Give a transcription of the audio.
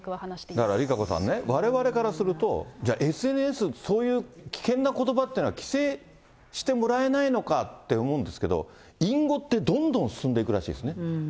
だからＲＩＫＡＣＯさんね、われわれからすると、じゃあ、ＳＮＳ、そういう危険なことばっていうのは、規制してもらえないのかって思うんですけど、隠語ってどんどん進んでいくらしいですね。